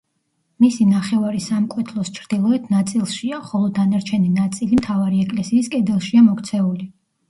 მისი ნახევარი სამკვეთლოს ჩრდილოეთ ნაწილშია, ხოლო დანარჩენი ნაწილი მთავარი ეკლესიის კედელშია მოქცეული.